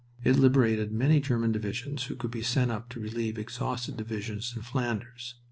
It liberated many German divisions who could be sent up to relieve exhausted divisions in Flanders.